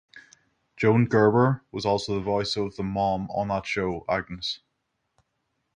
Joan Gerber was also the voice of the "mom" on that show, Agnes.